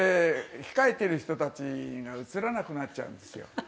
控えてる人たちが映らなくなっちゃうんですよ。